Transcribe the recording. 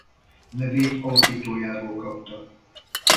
Nevét alapítójáról kapta.